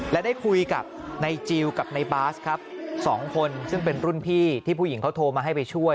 และได้คุยกับในจิลกับในบาสครับสองคนซึ่งเป็นรุ่นพี่ที่ผู้หญิงเขาโทรมาให้ไปช่วย